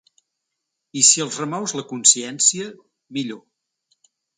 I si els remous la consciència, millor.